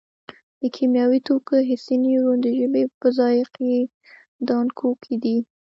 د کیمیاوي توکو حسي نیورون د ژبې په ذایقې دانکو کې دي.